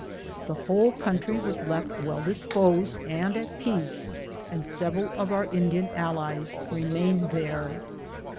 The whole country was left well disposed and at peace, and several of our In dian allies remained there.